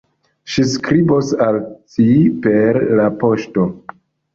Ŝi skribos al ci per la poŝto.